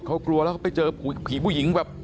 เขากลัวถูกไปเจอผีผู้หญิง